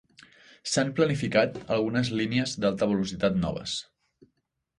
S'han planificat algunes línies d'alta velocitat noves.